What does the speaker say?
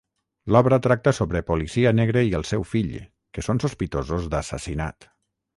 L'obra tracta sobre policia negre i el seu fill, que són sospitosos d'assassinat.